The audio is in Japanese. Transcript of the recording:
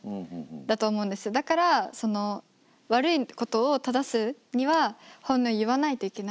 だからその悪いことをただすには本音を言わないといけない。